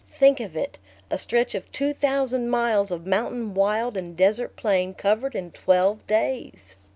Think of it, a stretch of two thousand miles of mountain wild and desert plain covered in twelve days!